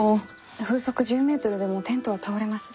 風速１０メートルでもテントは倒れます。